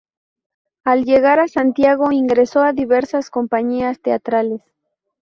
Al llegar a Santiago, ingresó a diversas compañías teatrales.